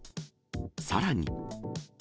さらに。